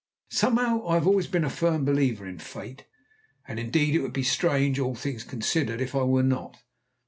Somehow I have always been a firm believer in Fate, and indeed it would be strange, all things considered, if I were not.